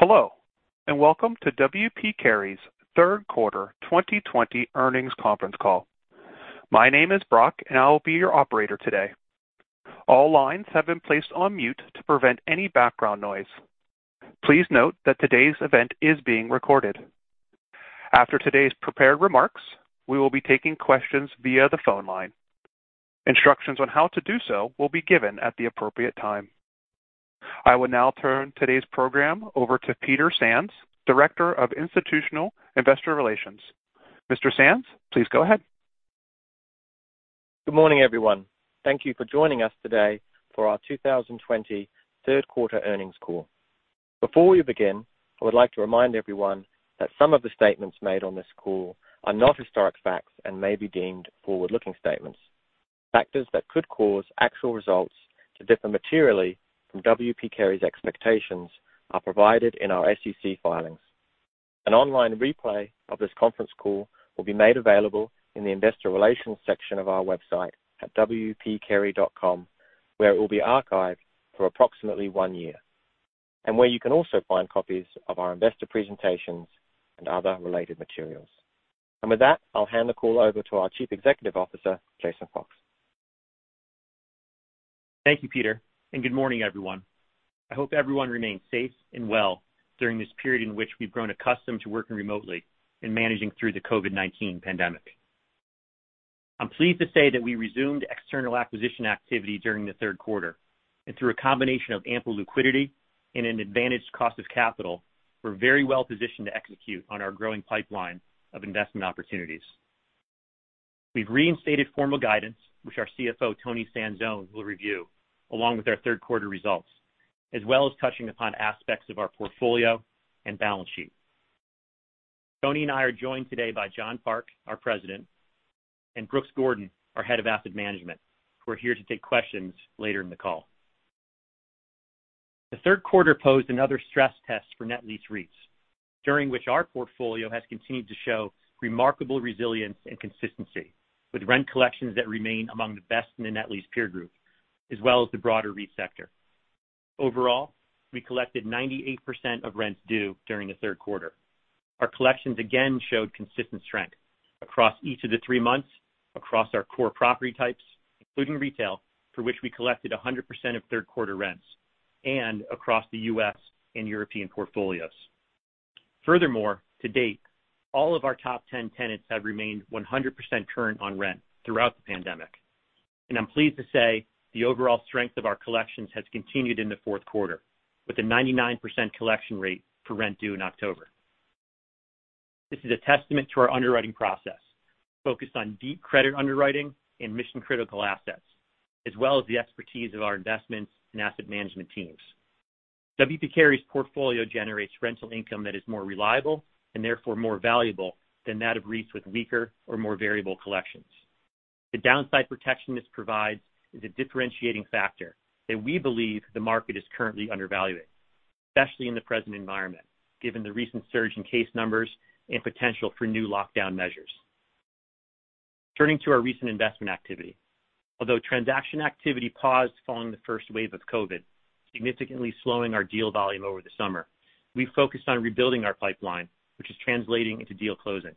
Hello, welcome to W. P. Carey's third quarter 2020 earnings conference call. My name is Brock, and I will be your operator today. All lines have been placed on mute to prevent any background noise. Please note that today's event is being recorded. After today's prepared remarks, we will be taking questions via the phone line. Instructions on how to do so will be given at the appropriate time. I will now turn today's program over to Peter Sands, Director of Institutional Investor Relations. Mr. Sands, please go ahead. Good morning, everyone. Thank you for joining us today for our 2020 third quarter earnings call. Before we begin, I would like to remind everyone that some of the statements made on this call are not historic facts and may be deemed forward-looking statements. Factors that could cause actual results to differ materially from W. P. Carey's expectations are provided in our SEC filings. An online replay of this conference call will be made available in the investor relations section of our website at wpcarey.com, where it will be archived for approximately one year, and where you can also find copies of our investor presentations and other related materials. With that, I'll hand the call over to our Chief Executive Officer, Jason Fox. Thank you, Peter, and good morning, everyone. I hope everyone remains safe and well during this period in which we've grown accustomed to working remotely and managing through the COVID-19 pandemic. Through a combination of ample liquidity and an advantage cost of capital, we're very well positioned to execute on our growing pipeline of investment opportunities. We've reinstated formal guidance, which our CFO, Toni Sanzone, will review along with our third quarter results, as well as touching upon aspects of our portfolio and balance sheet. Toni and I are joined today by John Park, our President, and Brooks Gordon, our Head of Asset Management, who are here to take questions later in the call. The third quarter posed another stress test for net lease REITs, during which our portfolio has continued to show remarkable resilience and consistency with rent collections that remain among the best in the net lease peer group as well as the broader REIT sector. Overall, we collected 98% of rents due during the third quarter. Our collections again showed consistent strength across each of the three months across our core property types, including retail, for which we collected 100% of third quarter rents, and across the U.S. and European portfolios. Furthermore, to date, all of our top 10 tenants have remained 100% current on rent throughout the pandemic. I'm pleased to say the overall strength of our collections has continued in the fourth quarter, with a 99% collection rate for rent due in October. This is a testament to our underwriting process, focused on deep credit underwriting and mission-critical assets, as well as the expertise of our investments and asset management teams. W. P. Carey's portfolio generates rental income that is more reliable, and therefore more valuable, than that of REITs with weaker or more variable collections. The downside protection this provides is a differentiating factor that we believe the market is currently undervaluing, especially in the present environment, given the recent surge in case numbers and potential for new lockdown measures. Turning to our recent investment activity. Transaction activity paused following the first wave of COVID, significantly slowing our deal volume over the summer, we focused on rebuilding our pipeline, which is translating into deal closings.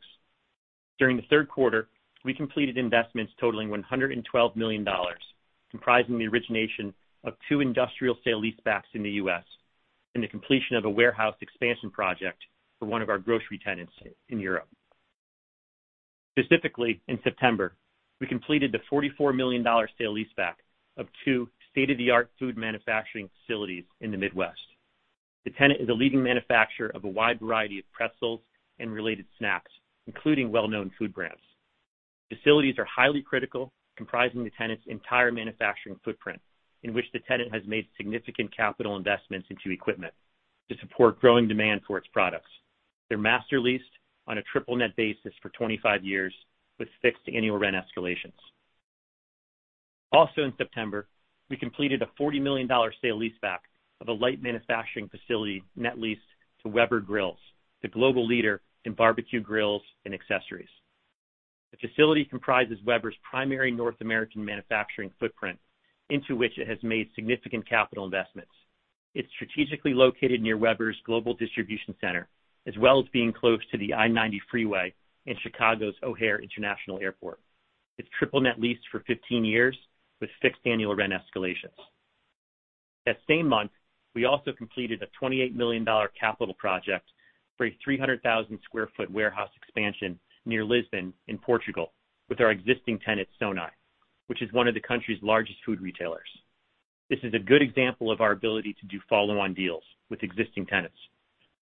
During the third quarter, we completed investments totaling $112 million, comprising the origination of two industrial sale leasebacks in the U.S. and the completion of a warehouse expansion project for one of our grocery tenants in Europe. Specifically, in September, we completed the $44 million sale leaseback of two state-of-the-art food manufacturing facilities in the Midwest. The tenant is a leading manufacturer of a wide variety of pretzels and related snacks, including well-known food brands. Facilities are highly critical, comprising the tenant's entire manufacturing footprint, in which the tenant has made significant capital investments into equipment to support growing demand for its products. They're master leased on a triple net basis for 25 years with fixed annual rent escalations. Also in September, we completed a $40 million sale leaseback of a light manufacturing facility net leased to Weber Grills, the global leader in barbecue grills and accessories. The facility comprises Weber's primary North American manufacturing footprint, into which it has made significant capital investments. It is strategically located near Weber's global distribution center, as well as being close to the I-90 freeway and Chicago's O'Hare International Airport. It is triple net leased for 15 years with fixed annual rent escalations. That same month, we also completed a $28 million capital project for a 300,000 sq ft warehouse expansion near Lisbon in Portugal with our existing tenant, Sonae, which is one of the country's largest food retailers. This is a good example of our ability to do follow-on deals with existing tenants,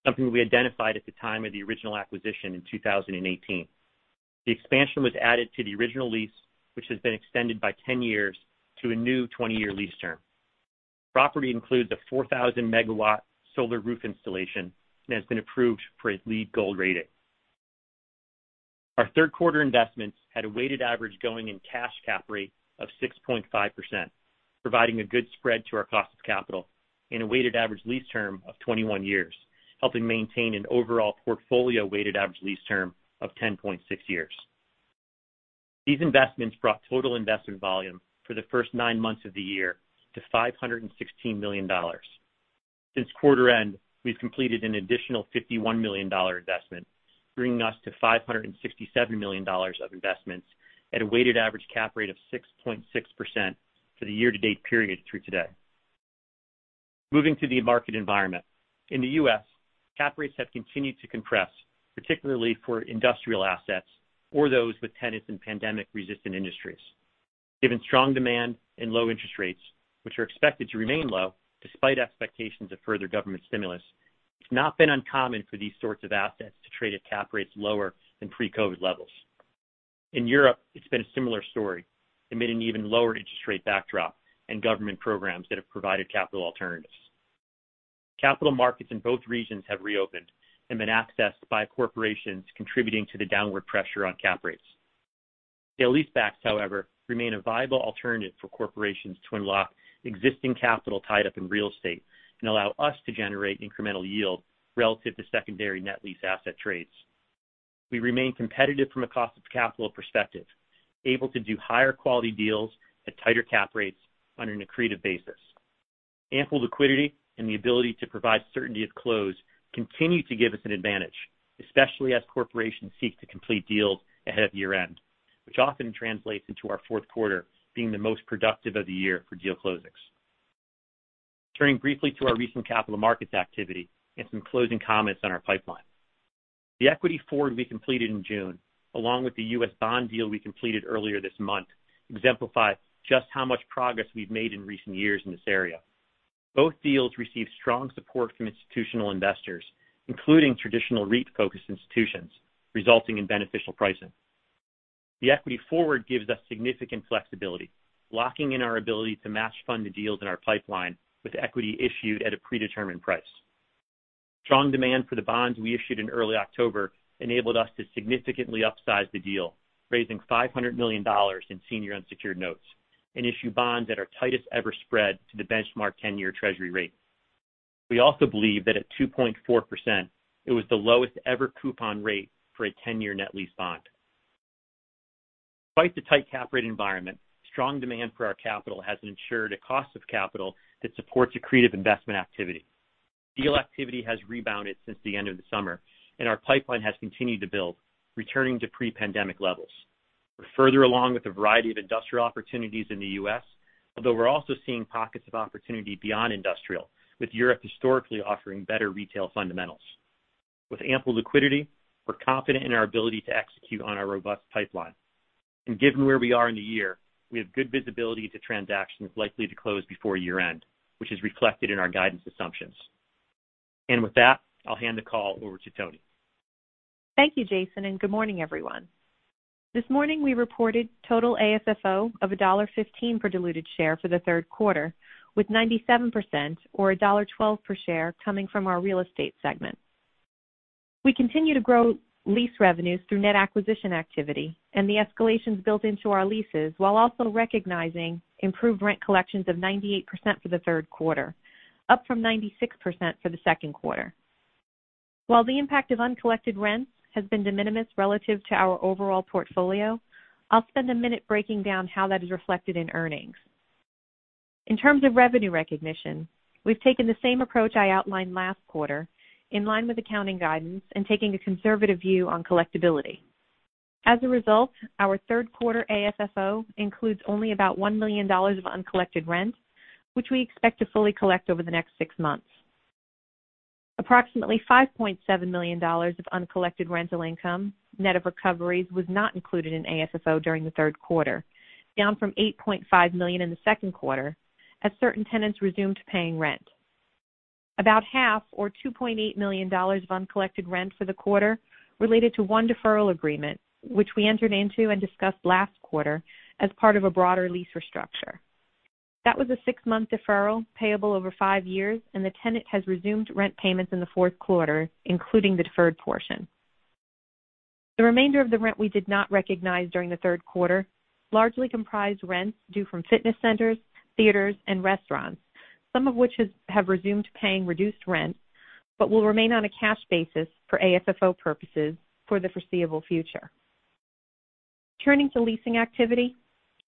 something we identified at the time of the original acquisition in 2018. The expansion was added to the original lease, which has been extended by 10 years to a new 20-year lease term. Property includes a 4,000 MW solar roof installation and has been approved for a LEED Gold rating. Our third quarter investments had a weighted average going-in cash cap rate of 6.5%, providing a good spread to our cost of capital in a weighted average lease term of 21 years, helping maintain an overall portfolio weighted average lease term of 10.6 years. These investments brought total investment volume for the first nine months of the year to $516 million. Since quarter end, we've completed an additional $51 million investment, bringing us to $567 million of investments at a weighted average cap rate of 6.6% for the year to date period through today. Moving to the market environment. In the U.S., cap rates have continued to compress, particularly for industrial assets or those with tenants in pandemic resistant industries. Given strong demand and low interest rates, which are expected to remain low despite expectations of further government stimulus, it's not been uncommon for these sorts of assets to trade at cap rates lower than pre-COVID-19 levels. In Europe, it's been a similar story, amid an even lower interest rate backdrop and government programs that have provided capital alternatives. Capital markets in both regions have reopened and been accessed by corporations contributing to the downward pressure on cap rates. Sale leasebacks, however, remain a viable alternative for corporations to unlock existing capital tied up in real estate and allow us to generate incremental yield relative to secondary net lease asset trades. We remain competitive from a cost of capital perspective, able to do higher quality deals at tighter cap rates on an accretive basis. Ample liquidity and the ability to provide certainty of close continue to give us an advantage, especially as corporations seek to complete deals ahead of year-end, which often translates into our fourth quarter being the most productive of the year for deal closings. Turning briefly to our recent capital markets activity and some closing comments on our pipeline. The equity forward we completed in June, along with the U.S. bond deal we completed earlier this month, exemplify just how much progress we've made in recent years in this area. Both deals received strong support from institutional investors, including traditional REIT-focused institutions, resulting in beneficial pricing. The equity forward gives us significant flexibility, locking in our ability to match fund the deals in our pipeline with equity issued at a predetermined price. Strong demand for the bonds we issued in early October enabled us to significantly upsize the deal, raising $500 million in senior unsecured notes, and issue bonds at our tightest ever spread to the benchmark 10-year Treasury rate. We also believe that at 2.4%, it was the lowest ever coupon rate for a 10-year net lease bond. Despite the tight cap rate environment, strong demand for our capital has ensured a cost of capital that supports accretive investment activity. Deal activity has rebounded since the end of the summer, and our pipeline has continued to build, returning to pre-pandemic levels. We're further along with a variety of industrial opportunities in the U.S., although we're also seeing pockets of opportunity beyond industrial, with Europe historically offering better retail fundamentals. With ample liquidity, we're confident in our ability to execute on our robust pipeline. Given where we are in the year, we have good visibility to transactions likely to close before year end, which is reflected in our guidance assumptions. With that, I'll hand the call over to Toni. Thank you, Jason, and good morning, everyone. This morning we reported total AFFO of $1.15 per diluted share for the third quarter, with 97% or $1.12 per share coming from our real estate segment. We continue to grow lease revenues through net acquisition activity and the escalations built into our leases while also recognizing improved rent collections of 98% for the third quarter, up from 96% for the second quarter. While the impact of uncollected rents has been de minimis relative to our overall portfolio, I'll spend a minute breaking down how that is reflected in earnings. In terms of revenue recognition, we've taken the same approach I outlined last quarter, in line with accounting guidance and taking a conservative view on collectability. As a result, our third quarter AFFO includes only about $1 million of uncollected rent, which we expect to fully collect over the next six months. Approximately $5.7 million of uncollected rental income, net of recoveries, was not included in AFFO during the third quarter, down from $8.5 million in the second quarter, as certain tenants resumed paying rent. About half or $2.8 million of uncollected rent for the quarter related to one deferral agreement, which we entered into and discussed last quarter as part of a broader lease restructure. That was a six-month deferral payable over five years, and the tenant has resumed rent payments in the fourth quarter, including the deferred portion. The remainder of the rent we did not recognize during the third quarter largely comprised rents due from fitness centers, theaters, and restaurants, some of which have resumed paying reduced rent but will remain on a cash basis for AFFO purposes for the foreseeable future. Turning to leasing activity.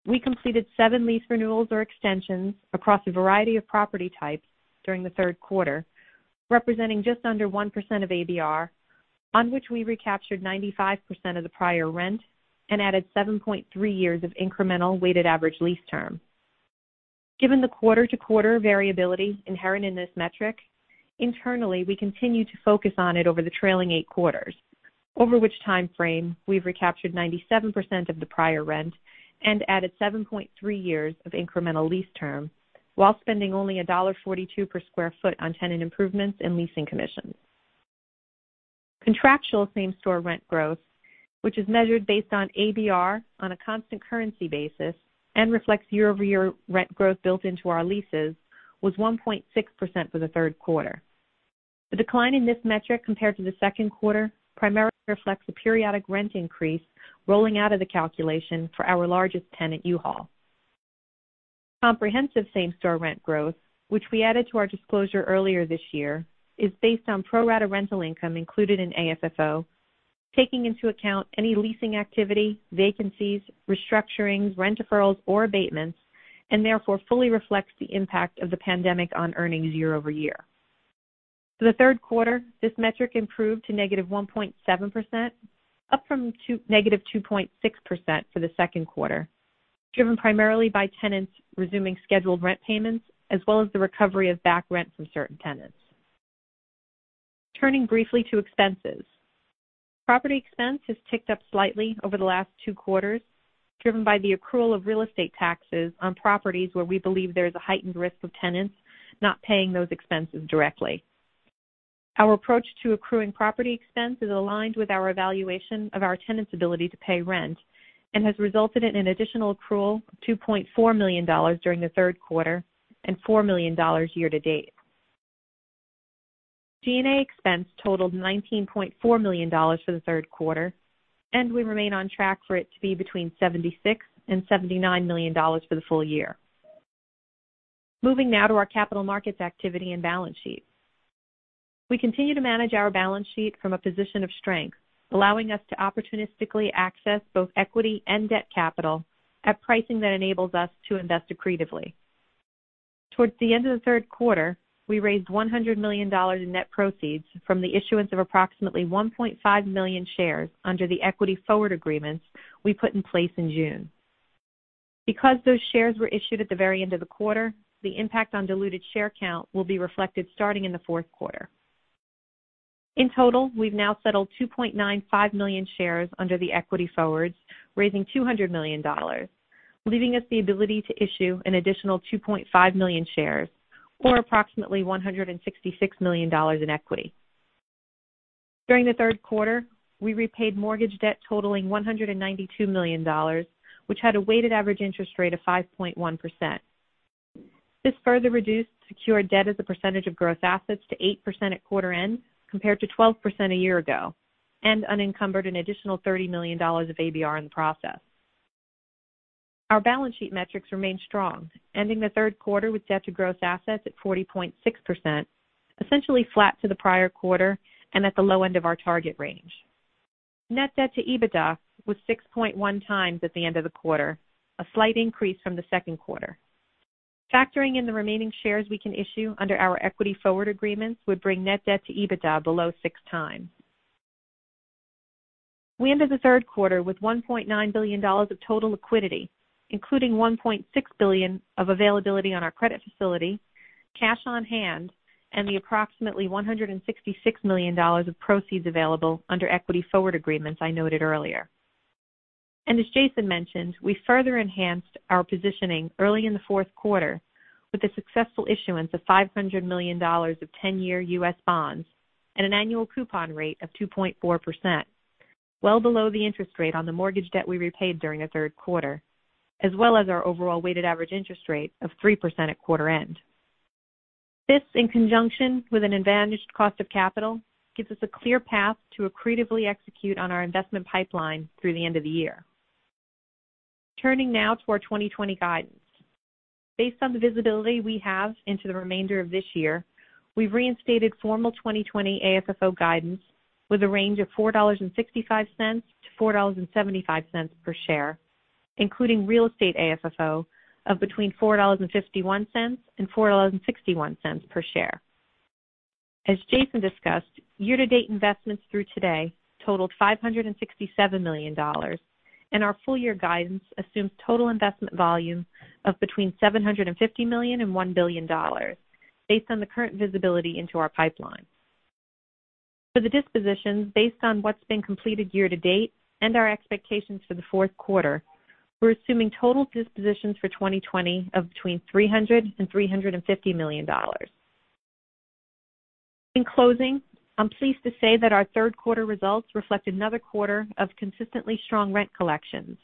We completed seven lease renewals or extensions across a variety of property types during the third quarter, representing just under 1% of ABR, on which we recaptured 95% of the prior rent and added 7.3 years of incremental weighted average lease term. Given the quarter-to-quarter variability inherent in this metric, internally, we continue to focus on it over the trailing eight quarters, over which time frame we've recaptured 97% of the prior rent and added 7.3 years of incremental lease term while spending only $1.42 per sq ft on tenant improvements and leasing commissions. Contractual same store rent growth, which is measured based on ABR on a constant currency basis and reflects year-over-year rent growth built into our leases, was 1.6% for the third quarter. The decline in this metric compared to the second quarter primarily reflects the periodic rent increase rolling out of the calculation for our largest tenant, U-Haul. Comprehensive same-store rent growth, which we added to our disclosure earlier this year, is based on pro-rata rental income included in AFFO, taking into account any leasing activity, vacancies, restructurings, rent deferrals or abatements, and therefore fully reflects the impact of the pandemic on earnings year-over-year. For the third quarter, this metric improved to -1.7%, up from -2.6% for the second quarter, driven primarily by tenants resuming scheduled rent payments, as well as the recovery of back rent from certain tenants. Turning briefly to expenses. Property expense has ticked up slightly over the last two quarters, driven by the accrual of real estate taxes on properties where we believe there is a heightened risk of tenants not paying those expenses directly. Our approach to accruing property expense is aligned with our evaluation of our tenants' ability to pay rent and has resulted in an additional accrual of $2.4 million during the third quarter and $4 million year to date. G&A expense totaled $19.4 million for the third quarter. We remain on track for it to be between $76 million and $79 million for the full year. Moving now to our capital markets activity and balance sheet. We continue to manage our balance sheet from a position of strength, allowing us to opportunistically access both equity and debt capital at pricing that enables us to invest accretively. Towards the end of the third quarter, we raised $100 million in net proceeds from the issuance of approximately 1.5 million shares under the equity forward agreements we put in place in June. Because those shares were issued at the very end of the quarter, the impact on diluted share count will be reflected starting in the fourth quarter. In total, we've now settled 2.95 million shares under the equity forwards, raising $200 million, leaving us the ability to issue an additional 2.5 million shares or approximately $166 million in equity. During the third quarter, we repaid mortgage debt totaling $192 million, which had a weighted average interest rate of 5.1%. This further reduced secured debt as a percentage of gross assets to 8% at quarter end, compared to 12% a year ago, and unencumbered an additional $30 million of ABR in the process. Our balance sheet metrics remain strong, ending the third quarter with debt to gross assets at 40.6%, essentially flat to the prior quarter and at the low end of our target range. Net debt to EBITDA was 6.1 times at the end of the quarter, a slight increase from the second quarter. Factoring in the remaining shares we can issue under our equity forward agreements would bring net debt to EBITDA below 6 times. We ended the third quarter with $1.9 billion of total liquidity, including $1.6 billion of availability on our credit facility, cash on hand, and the approximately $166 million of proceeds available under equity forward agreements I noted earlier. As Jason mentioned, we further enhanced our positioning early in the fourth quarter with the successful issuance of $500 million of 10-year U.S. bonds at an annual coupon rate of 2.4%, well below the interest rate on the mortgage debt we repaid during the third quarter, as well as our overall weighted average interest rate of 3% at quarter end. This, in conjunction with an advantaged cost of capital, gives us a clear path to accretively execute on our investment pipeline through the end of the year. Turning now to our 2020 guidance. Based on the visibility we have into the remainder of this year, we've reinstated formal 2020 AFFO guidance with a range of $4.65-$4.75 per share, including real estate AFFO of between $4.51 and $4.61 per share. As Jason discussed, year-to-date investments through today totaled $567 million, and our full year guidance assumes total investment volume of between $750 million and $1 billion, based on the current visibility into our pipeline. For the dispositions based on what's been completed year-to-date and our expectations for the fourth quarter, we're assuming total dispositions for 2020 of between $300 million and $350 million. In closing, I'm pleased to say that our third quarter results reflect another quarter of consistently strong rent collections,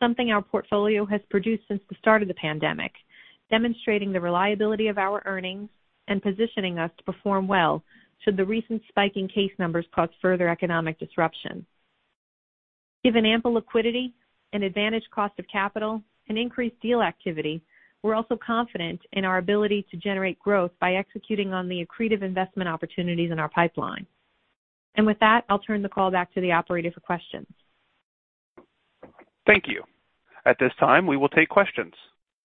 something our portfolio has produced since the start of the pandemic, demonstrating the reliability of our earnings and positioning us to perform well should the recent spike in case numbers cause further economic disruption. Given ample liquidity, an advantaged cost of capital, and increased deal activity, we're also confident in our ability to generate growth by executing on the accretive investment opportunities in our pipeline. With that, I'll turn the call back to the operator for questions. Thank you. At this time, we will take questions.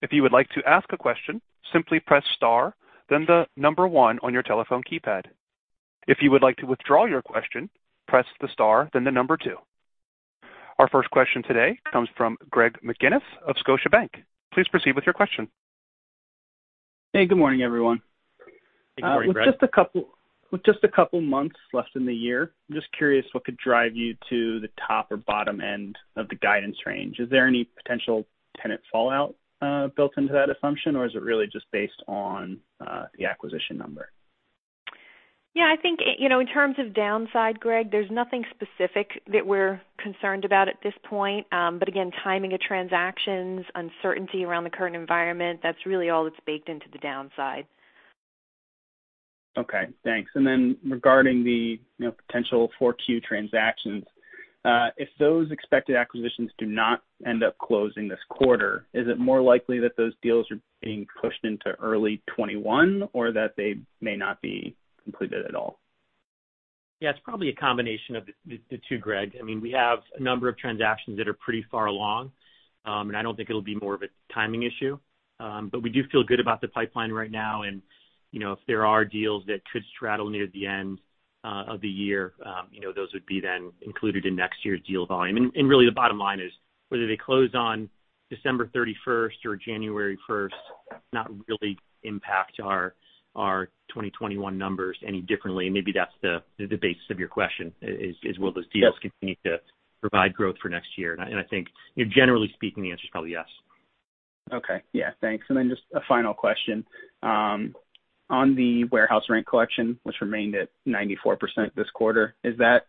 If you would like to ask a question, simply press star, then the number one on your telephone keypad. If you would like to withdraw your question, press the star, then the number two. Our first question today comes from Greg McGinniss of Scotiabank. Please proceed with your question. Hey, good morning, everyone. Good morning, Greg. With just a couple months left in the year, I'm just curious what could drive you to the top or bottom end of the guidance range. Is there any potential tenant fallout built into that assumption, or is it really just based on the acquisition number? Yeah, I think in terms of downside, Greg, there's nothing specific that we're concerned about at this point. Again, timing of transactions, uncertainty around the current environment, that's really all that's baked into the downside. Okay, thanks. Regarding the potential 4Q transactions, if those expected acquisitions do not end up closing this quarter, is it more likely that those deals are being pushed into early 2021 or that they may not be completed at all? Yeah. It's probably a combination of the two, Greg. We have a number of transactions that are pretty far along. I don't think it'll be more of a timing issue. We do feel good about the pipeline right now. If there are deals that could straddle near the end of the year, those would be then included in next year's deal volume. Really the bottom line is whether they close on December 31st or January 1st, not really impact our 2021 numbers any differently. Maybe that's the basis of your question is, will those deals continue to provide growth for next year? I think, generally speaking, the answer is probably yes. Okay. Yeah. Thanks. Just a final question. On the warehouse rent collection, which remained at 94% this quarter, is that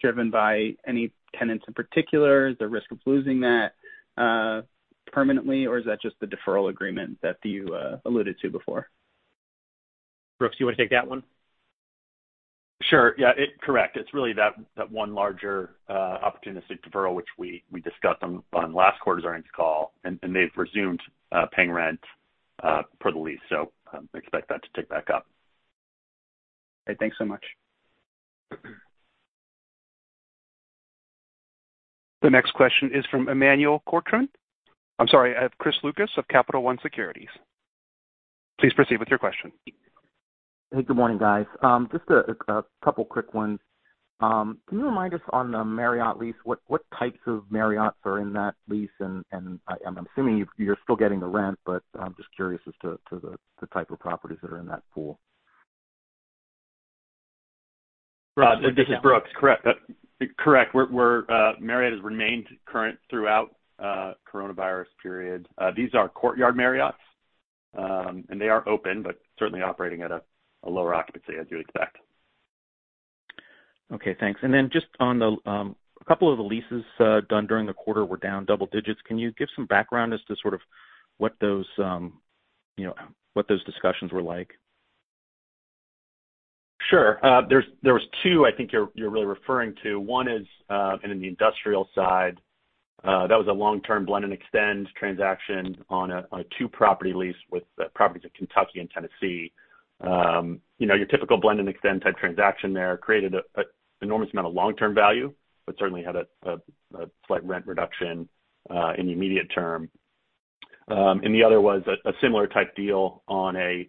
driven by any tenants in particular? Is there risk of losing that permanently, or is that just the deferral agreement that you alluded to before? Brooks, you want to take that one? Sure. Yeah. Correct. It's really that one larger opportunistic deferral, which we discussed on last quarter's earnings call, and they've resumed paying rent per the lease. Expect that to tick back up. Okay. Thanks so much. The next question is from Emmanuel Korchman. I'm sorry, Chris Lucas of Capital One Securities. Please proceed with your question. Hey. Good morning, guys. Just a couple quick ones. Can you remind us on the Marriott lease, what types of Marriotts are in that lease? I'm assuming you're still getting the rent, but I'm just curious as to the type of properties that are in that pool. Rod, this is Brooks. Correct. Marriott has remained current throughout coronavirus period. These are Courtyard Marriotts, and they are open, but certainly operating at a lower occupancy as you expect. Okay, thanks. Then just on a couple of the leases done during the quarter were down double digits. Can you give some background as to sort of what those discussions were like? Sure. There was two I think you're really referring to. One is in the industrial side. That was a long-term blend-and-extend transaction on a two-property lease with properties in Kentucky and Tennessee. Your typical blend-and-extend type transaction there created an enormous amount of long-term value, but certainly had a slight rent reduction in the immediate term. The other was a similar type deal on a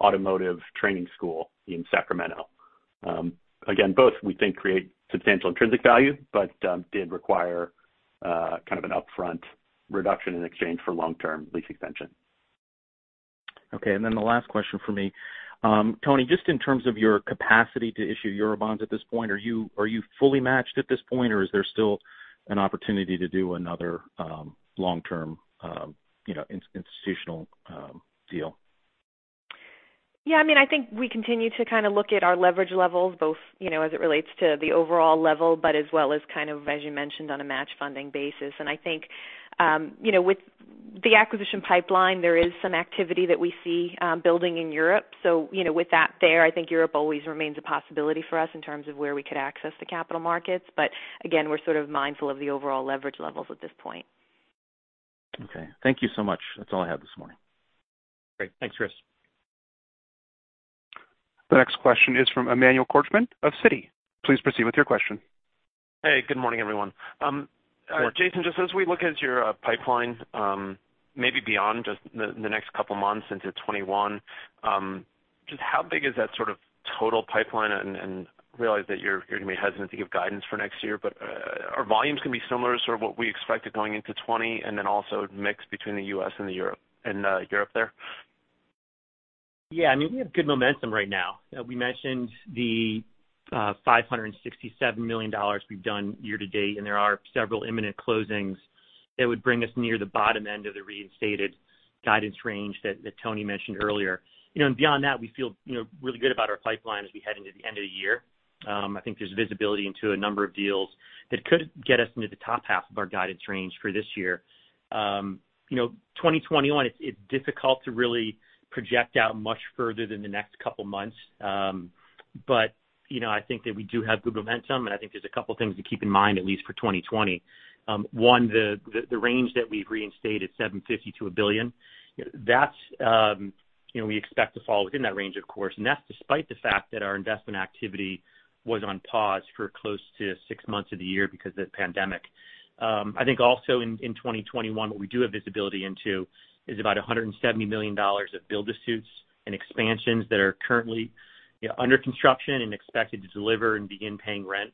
automotive training school in Sacramento. Again, both we think create substantial intrinsic value but did require kind of an upfront reduction in exchange for long-term lease extension. Okay. The last question from me. Toni, just in terms of your capacity to issue Euro bonds at this point, are you fully matched at this point, or is there still an opportunity to do another long-term institutional deal? Yeah. I think we continue to kind of look at our leverage levels both as it relates to the overall level, but as well as kind of, as you mentioned, on a matched funding basis. I think with the acquisition pipeline, there is some activity that we see building in Europe. With that there, I think Europe always remains a possibility for us in terms of where we could access the capital markets. Again, we're sort of mindful of the overall leverage levels at this point. Okay. Thank you so much. That is all I have this morning. Great. Thanks, Chris. The next question is from Emmanuel Korchman of Citi. Please proceed with your question. Hey. Good morning, everyone. Good morning. Jason, just as we look at your pipeline, maybe beyond just the next couple of months into 2021, just how big is that sort of total pipeline, and realize that you're going to be hesitant to give guidance for next year? Are volumes going to be similar to sort of what we expected going into 2020, and then also mix between the U.S. and Europe there? Yeah. We have good momentum right now. We mentioned the $567 million we've done year to date, and there are several imminent closings that would bring us near the bottom end of the reinstated guidance range that Toni mentioned earlier. Beyond that, we feel really good about our pipeline as we head into the end of the year. I think there's visibility into a number of deals that could get us into the top half of our guidance range for this year. 2021, it's difficult to really project out much further than the next couple of months. I think that we do have good momentum, and I think there's a couple of things to keep in mind, at least for 2020. One, the range that we've reinstated, $750 million-$1 billion. We expect to fall within that range, of course, that's despite the fact that our investment activity was on pause for close to six months of the year because of the pandemic. I think also in 2021, what we do have visibility into is about $170 million of build-to-suits and expansions that are currently under construction and expected to deliver and begin paying rent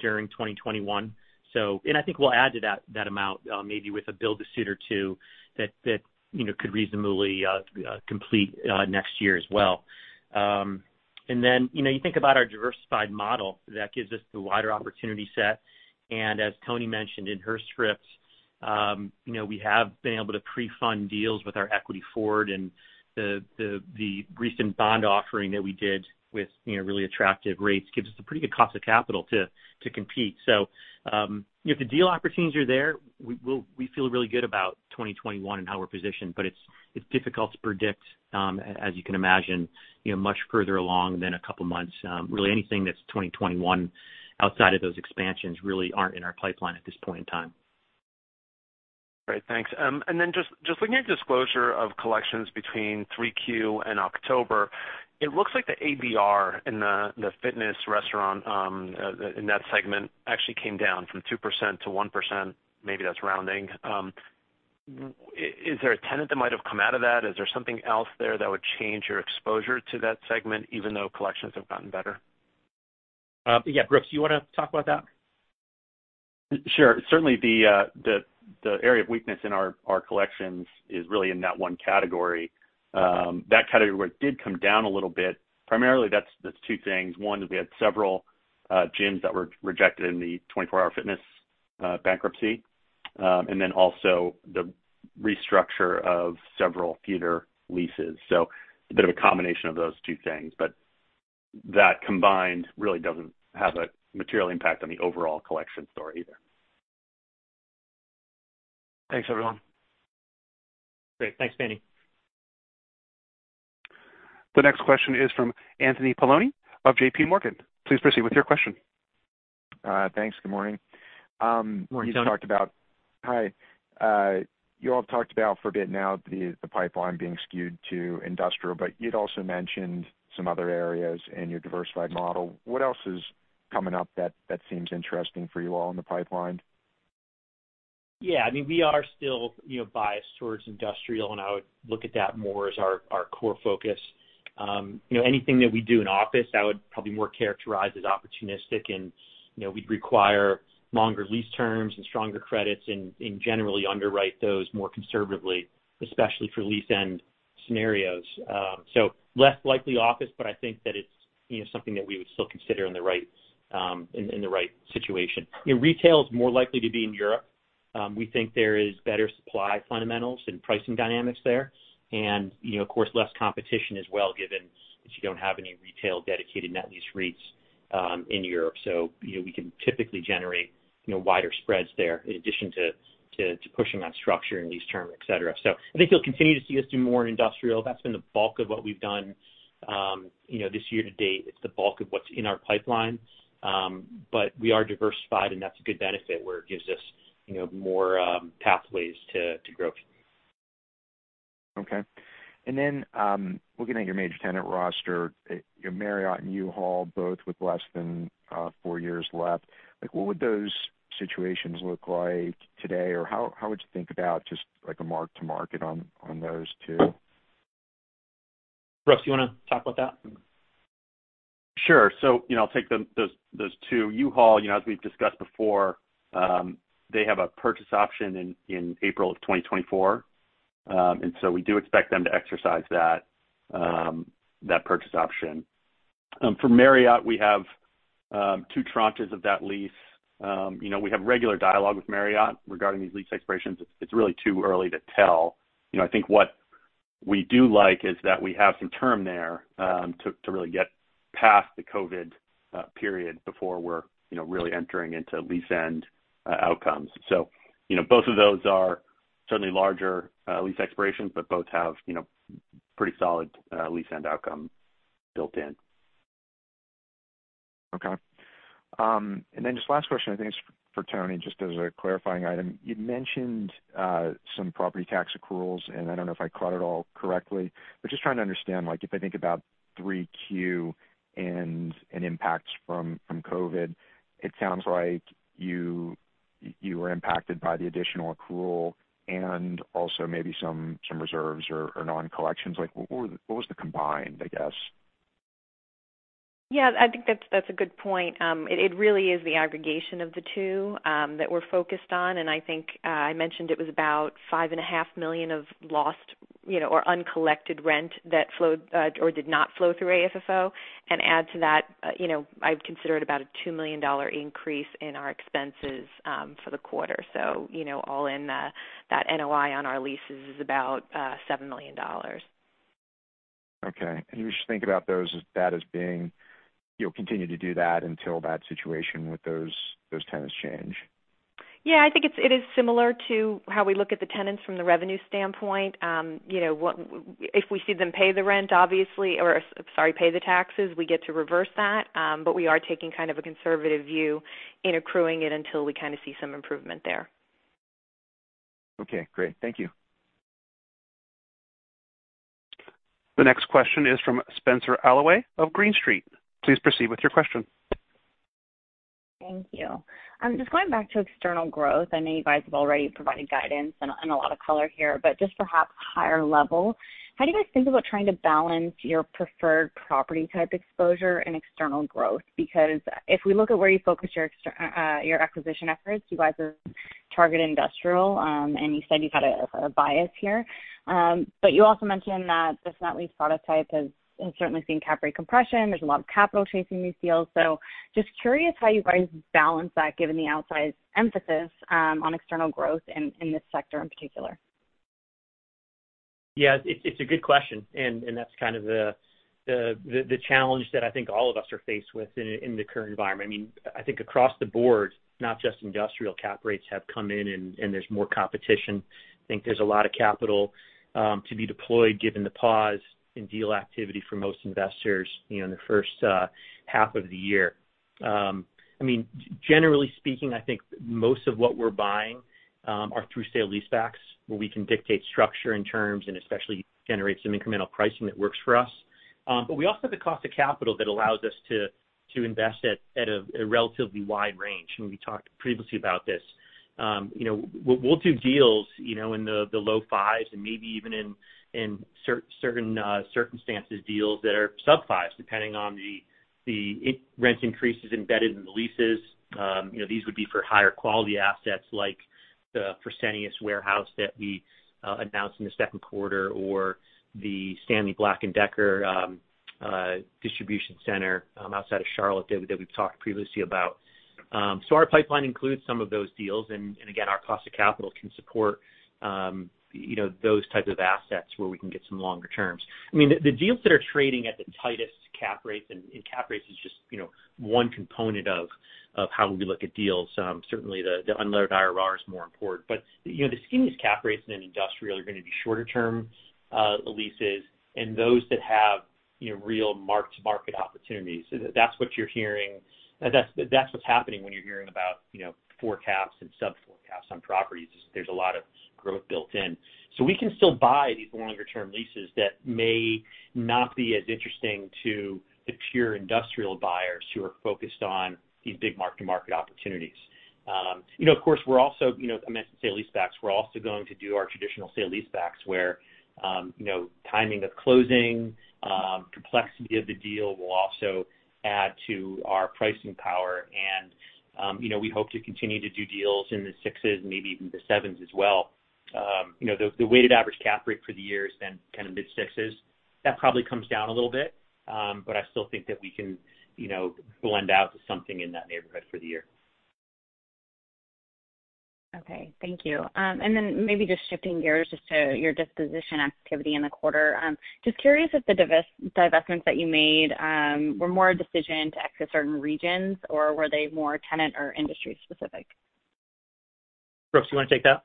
during 2021. I think we'll add to that amount maybe with a build-to-suit or two that could reasonably complete next year as well. You think about our diversified model. That gives us the wider opportunity set. As Toni mentioned in her script We have been able to pre-fund deals with our equity forward and the recent bond offering that we did with really attractive rates gives us a pretty good cost of capital to compete. If the deal opportunities are there, we feel really good about 2021 and how we're positioned. It's difficult to predict, as you can imagine, much further along than a couple of months. Really anything that's 2021 outside of those expansions really aren't in our pipeline at this point in time. Great, thanks. Then just looking at disclosure of collections between Q3 and October, it looks like the ABR in the fitness restaurant in that segment actually came down from 2% to 1%. Maybe that's rounding. Is there a tenant that might have come out of that? Is there something else there that would change your exposure to that segment even though collections have gotten better? Yeah. Brooks, you want to talk about that? Sure. Certainly the area of weakness in our collections is really in that one category. That category where it did come down a little bit. Primarily that's two things. One is we had several gyms that were rejected in the 24 Hour Fitness bankruptcy. Also the restructure of several theater leases. It's a bit of a combination of those two things. That combined really doesn't have a material impact on the overall collection story either. Thanks, everyone. Great. Thanks, Manny. The next question is from Anthony Paolone of JPMorgan. Please proceed with your question. Thanks. Good morning. Morning, Toni. Hi. You all have talked about for a bit now the pipeline being skewed to industrial, but you'd also mentioned some other areas in your diversified model. What else is coming up that seems interesting for you all in the pipeline? Yeah. We are still biased towards industrial, and I would look at that more as our core focus. Anything that we do in office, I would probably more characterize as opportunistic and we'd require longer lease terms and stronger credits and generally underwrite those more conservatively, especially for lease-end scenarios. Less likely office, but I think that it's something that we would still consider in the right situation. Retail is more likely to be in Europe. We think there is better supply fundamentals and pricing dynamics there, and of course less competition as well given that you don't have any retail-dedicated net lease REITs in Europe. We can typically generate wider spreads there in addition to pushing on structure and lease term, et cetera. I think you'll continue to see us do more in industrial. That's been the bulk of what we've done this year to date. It's the bulk of what's in our pipeline. We are diversified and that's a good benefit where it gives us more pathways to grow. Okay. Looking at your major tenant roster, Marriott and U-Haul both with less than four years left. What would those situations look like today? How would you think about just like a mark to market on those two? Brooks, you want to talk about that? Sure. I'll take those two. U-Haul, as we've discussed before, they have a purchase option in April of 2024. We do expect them to exercise that purchase option. For Marriott, we have two tranches of that lease. We have regular dialogue with Marriott regarding these lease expirations. It's really too early to tell. I think what we do like is that we have some term there to really get past the COVID period before we're really entering into lease-end outcomes. Both of those are certainly larger lease expirations, but both have pretty solid lease-end outcome built in. Okay. Then just last question, I think it's for Toni, just as a clarifying item. You'd mentioned some property tax accruals, and I don't know if I caught it all correctly, but just trying to understand if I think about Q3 and impacts from COVID, it sounds like you were impacted by the additional accrual and also maybe some reserves or non-collections. What was the combined, I guess? Yeah, I think that's a good point. It really is the aggregation of the two that we're focused on. I think I mentioned it was about $5.5 million of lost or uncollected rent that did not flow through AFFO. Add to that I'd consider it about a $2 million increase in our expenses for the quarter. All in that NOI on our leases is about $7 million. Okay. You just think about that as being you'll continue to do that until that situation with those tenants change? Yeah, I think it is similar to how we look at the tenants from the revenue standpoint. If we see them pay the rent obviously, or sorry, pay the taxes, we get to reverse that. We are taking kind of a conservative view in accruing it until we kind of see some improvement there. Okay, great. Thank you. The next question is from Spenser Allaway of Green Street. Please proceed with your question. Thank you. Just going back to external growth, I know you guys have already provided guidance and a lot of color here, but just perhaps higher level. How do you guys think about trying to balance your preferred property type exposure and external growth? If we look at where you focus your acquisition efforts, you guys are targeting industrial, and you said you had a bias here. You also mentioned that this net lease prototype has certainly seen cap rate compression. There's a lot of capital chasing these deals. Just curious how you guys balance that given the outsized emphasis on external growth in this sector in particular. Yes, it's a good question, and that's kind of the challenge that I think all of us are faced with in the current environment. I think across the board, not just industrial cap rates have come in and there's more competition. I think there's a lot of capital to be deployed given the pause in deal activity for most investors in the first half of the year. Generally speaking, I think most of what we're buying are through sale leasebacks, where we can dictate structure and terms, and especially generate some incremental pricing that works for us. We also have the cost of capital that allows us to invest at a relatively wide range, and we talked previously about this. We'll do deals in the low fives and maybe even in certain circumstances, deals that are sub fives, depending on the rent increases embedded in the leases. These would be for higher quality assets like the Fresenius warehouse that we announced in the second quarter or the Stanley Black & Decker distribution center outside of Charlotte that we've talked previously about. Our pipeline includes some of those deals. Again, our cost of capital can support those types of assets where we can get some longer terms. The deals that are trading at the tightest cap rates, and cap rates is just one component of how we look at deals. Certainly the unlevered IRR is more important. The skinniest cap rates in an industrial are going to be shorter term leases, and those that have real marked-to-market opportunities. That's what you're hearing. That's what's happening when you're hearing about four caps and sub four caps on properties. There's a lot of growth built in. We can still buy these longer-term leases that may not be as interesting to the pure industrial buyers who are focused on these big mark-to-market opportunities. Of course, I mentioned sale leasebacks. We are also going to do our traditional sale leasebacks where timing of closing, complexity of the deal will also add to our pricing power. We hope to continue to do deals in the sixes and maybe even the sevens as well. The weighted average cap rate for the year is then kind of mid-sixes. That probably comes down a little bit. I still think that we can blend out to something in that neighborhood for the year. Okay. Thank you. Maybe just shifting gears just to your disposition activity in the quarter. Just curious if the divestments that you made were more a decision to exit certain regions, or were they more tenant or industry specific? Brooks, you want to take that?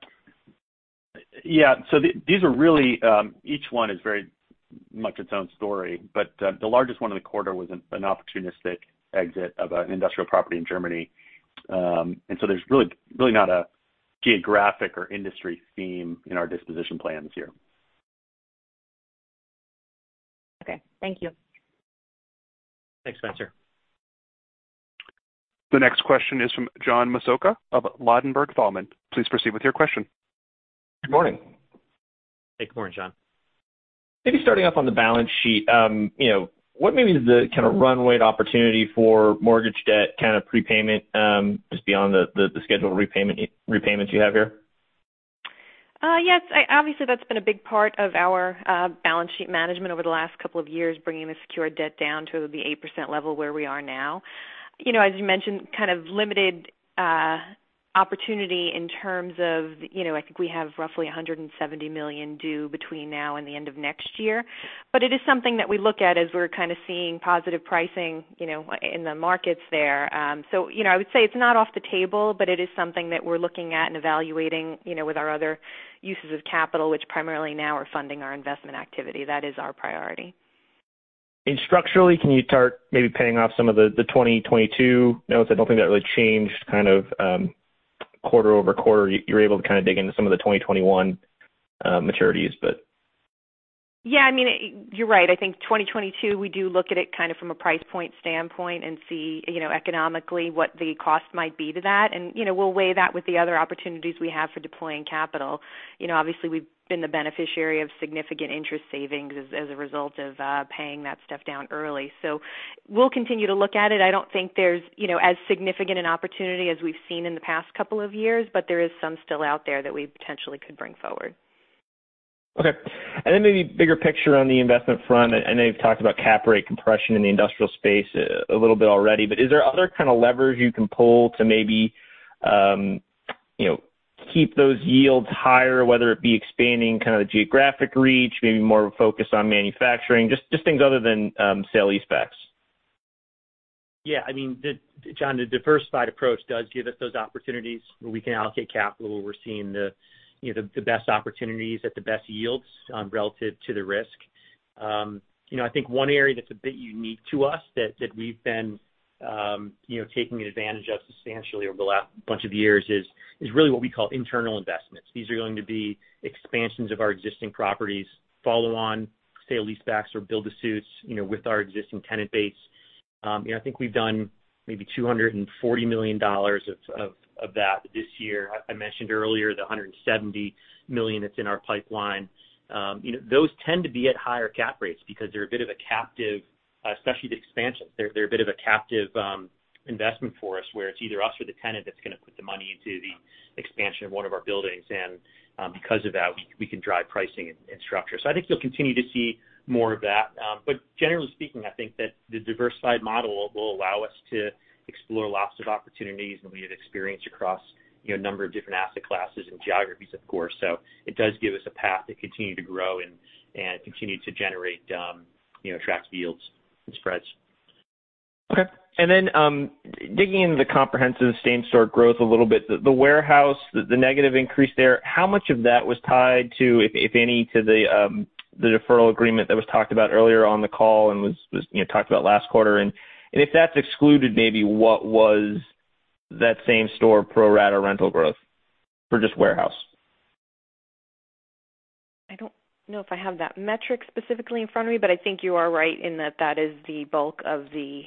Yeah. These are really, each one is very much its own story. The largest one of the quarter was an opportunistic exit of an industrial property in Germany. There's really not a geographic or industry theme in our disposition plans here. Okay. Thank you. Thanks, Spenser. The next question is from John Massocca of Ladenburg Thalmann. Please proceed with your question. Good morning. Hey, good morning, John. Maybe starting off on the balance sheet. What maybe is the kind of runway to opportunity for mortgage debt kind of prepayment just beyond the scheduled repayments you have here? Yes, obviously that's been a big part of our balance sheet management over the last couple of years, bringing the secured debt down to the 8% level where we are now. As you mentioned, kind of limited opportunity in terms of, I think we have roughly $170 million due between now and the end of next year. It is something that we look at as we're kind of seeing positive pricing in the markets there. I would say it's not off the table, but it is something that we're looking at and evaluating with our other uses of capital, which primarily now are funding our investment activity. That is our priority. Structurally, can you start maybe paying off some of the 2022 notes? I don't think that really changed kind of quarter-over-quarter. You're able to kind of dig into some of the 2021 maturities. Yeah. You're right. I think 2022, we do look at it kind of from a price point standpoint and see economically what the cost might be to that. We'll weigh that with the other opportunities we have for deploying capital. Obviously, we've been the beneficiary of significant interest savings as a result of paying that stuff down early. We'll continue to look at it. I don't think there's as significant an opportunity as we've seen in the past couple of years, but there is some still out there that we potentially could bring forward. Okay. Maybe bigger picture on the investment front. I know you've talked about cap rate compression in the industrial space a little bit already. Is there other kind of levers you can pull to maybe keep those yields higher, whether it be expanding kind of the geographic reach, maybe more of a focus on manufacturing, just things other than sale leasebacks? Yeah. John, the diversified approach does give us those opportunities where we can allocate capital where we're seeing the best opportunities at the best yields relative to the risk. I think one area that's a bit unique to us that we've been taking advantage of substantially over the last bunch of years is really what we call internal investments. These are going to be expansions of our existing properties, follow on sale leasebacks or build-to-suits with our existing tenant base. I think we've done maybe $240 million of that this year. I mentioned earlier the $170 million that's in our pipeline. Those tend to be at higher cap rates because they're a bit of a captive, especially the expansions. They're a bit of a captive investment for us where it's either us or the tenant that's going to put the money into the expansion of one of our buildings. Because of that, we can drive pricing and structure. I think you'll continue to see more of that. Generally speaking, I think that the diversified model will allow us to explore lots of opportunities and we have experience across a number of different asset classes and geographies, of course. It does give us a path to continue to grow and continue to generate attractive yields and spreads. Okay. Digging into the comprehensive same-store growth a little bit, the warehouse, the negative increase there, how much of that was tied to, if any, to the deferral agreement that was talked about earlier on the call and was talked about last quarter? If that's excluded, maybe what was that same store pro rata rental growth for just warehouse? I don't know if I have that metric specifically in front of me, but I think you are right in that that is the bulk of the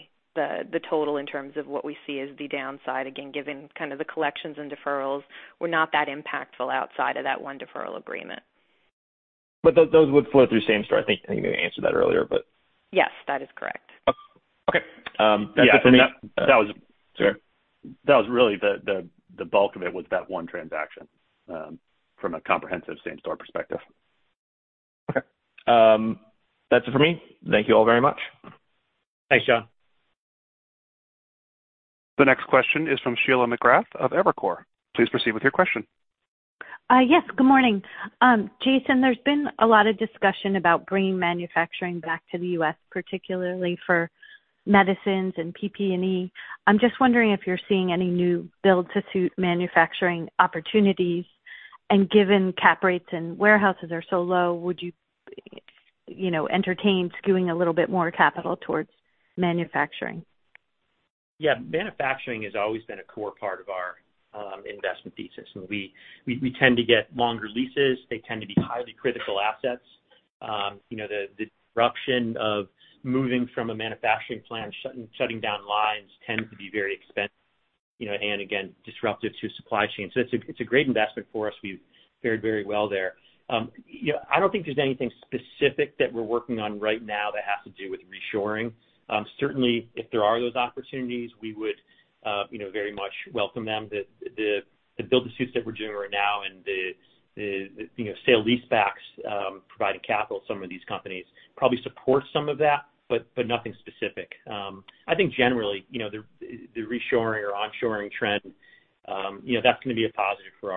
total in terms of what we see as the downside. Again, given kind of the collections and deferrals were not that impactful outside of that one deferral agreement. Those would flow through same store. I think you answered that earlier, but. Yes, that is correct. Okay. That's it for me. Yeah. That was really the bulk of it was that one transaction from a comprehensive same store perspective. Okay. That's it for me. Thank you all very much. Thanks, John. The next question is from Sheila McGrath of Evercore. Please proceed with your question. Yes, good morning. Jason, there's been a lot of discussion about bringing manufacturing back to the U.S., particularly for medicines and PPE. I'm just wondering if you're seeing any new build-to-suit manufacturing opportunities, and given cap rates and warehouses are so low, would you entertain skewing a little bit more capital towards manufacturing? Yeah. Manufacturing has always been a core part of our investment thesis, and we tend to get longer leases. They tend to be highly critical assets. The disruption of moving from a manufacturing plant, shutting down lines tends to be very expensive, and again, disruptive to supply chain. It's a great investment for us. We've fared very well there. I don't think there's anything specific that we're working on right now that has to do with reshoring. Certainly, if there are those opportunities, we would very much welcome them. The build-to-suits that we're doing right now and the sale leasebacks providing capital to some of these companies probably support some of that, but nothing specific. I think generally the reshoring or onshoring trend that's going to be a positive for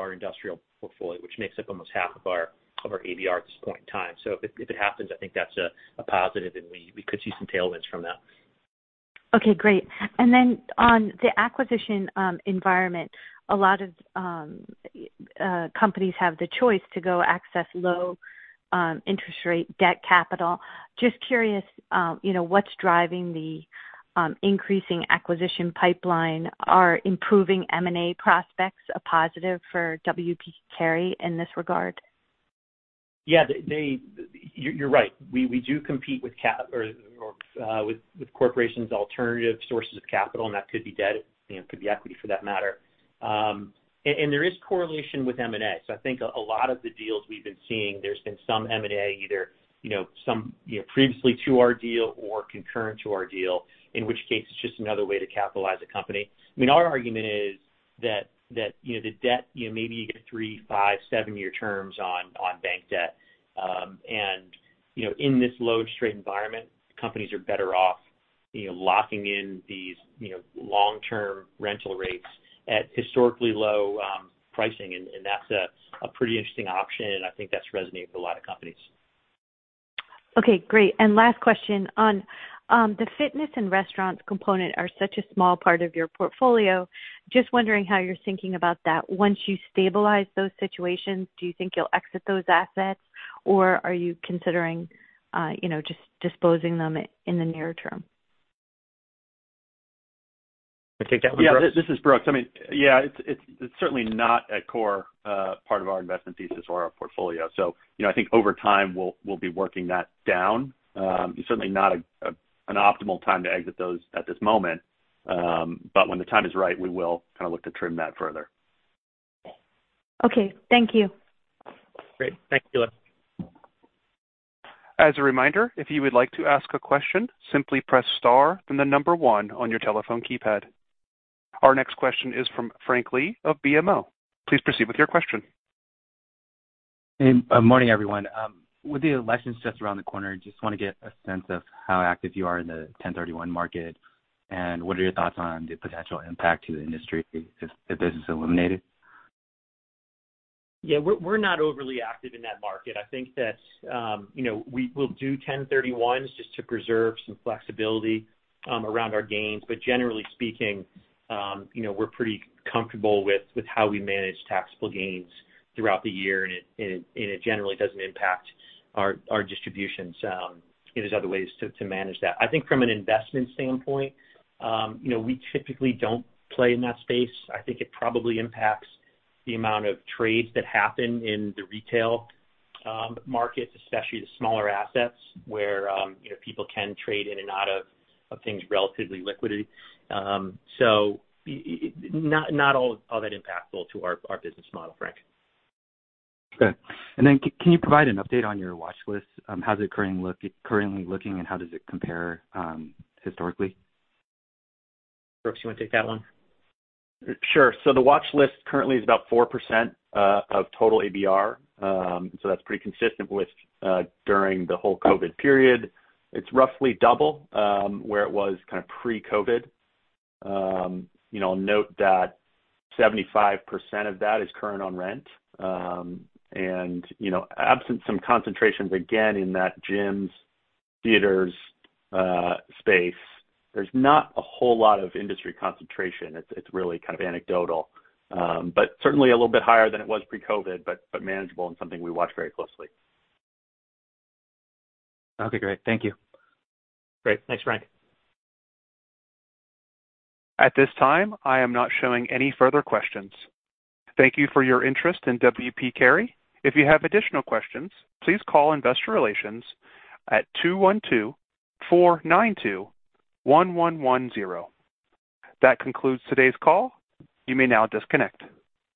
our industrial portfolio, which makes up almost half of our ABR at this point in time. If it happens, I think that's a positive, and we could see some tailwinds from that. Okay, great. Then on the acquisition environment, a lot of companies have the choice to go access low interest rate debt capital. Just curious, what's driving the increasing acquisition pipeline? Are improving M&A prospects a positive for W. P. Carey in this regard? Yeah. You're right. We do compete with corporations' alternative sources of capital, and that could be debt, could be equity for that matter. There is correlation with M&A. I think a lot of the deals we've been seeing, there's been some M&A either some previously to our deal or concurrent to our deal, in which case it's just another way to capitalize a company. I mean, our argument is that the debt, maybe you get three, five, seven-year terms on bank debt. In this low interest rate environment, companies are better off locking in these long-term rental rates at historically low pricing. That's a pretty interesting option, and I think that's resonating with a lot of companies. Okay, great. Last question on the fitness and restaurants component are such a small part of your portfolio. Just wondering how you're thinking about that. Once you stabilize those situations, do you think you'll exit those assets, or are you considering just disposing them in the near term? Take that one, Brooks. Yeah. This is Brooks. I mean, yeah, it's certainly not a core part of our investment thesis or our portfolio. I think over time, we'll be working that down. Certainly not an optimal time to exit those at this moment. When the time is right, we will kind of look to trim that further. Okay. Thank you. Great. Thanks, Sheila. As a reminder, if you would like to ask a question, simply press star then the number one on your telephone keypad. Our next question is from Frank Lee of BMO. Please proceed with your question. Good morning, everyone. With the elections just around the corner, just want to get a sense of how active you are in the 1031 market, and what are your thoughts on the potential impact to the industry if the business is eliminated? Yeah. We're not overly active in that market. I think that we'll do 1031s just to preserve some flexibility around our gains. Generally speaking, we're pretty comfortable with how we manage taxable gains throughout the year, and it generally doesn't impact our distributions. There's other ways to manage that. I think from an investment standpoint, we typically don't play in that space. I think it probably impacts the amount of trades that happen in the retail markets, especially the smaller assets where people can trade in and out of things relatively liquidly. Not all that impactful to our business model, Frank. Okay. Can you provide an update on your watch list? How is it currently looking, and how does it compare historically? Brooks, you want to take that one? Sure. The watch list currently is about 4% of total ABR. That's pretty consistent with during the whole COVID period. It's roughly double where it was kind of pre-COVID. Note that 75% of that is current on rent. Absent some concentrations, again, in that gyms, theaters space, there's not a whole lot of industry concentration. It's really kind of anecdotal. Certainly a little bit higher than it was pre-COVID, but manageable and something we watch very closely. Okay, great. Thank you. Great. Thanks, Frank. At this time, I am not showing any further questions. Thank you for your interest in W. P. Carey. If you have additional questions, please call investor relations at 212-492-1110. That concludes today's call. You may now disconnect.